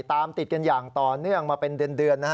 ตามติดกันอย่างต่อเนื่องมาเป็นเดือนนะฮะ